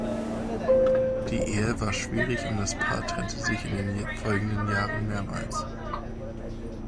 Die Ehe war schwierig und das Paar trennte sich in den folgenden Jahren mehrmals.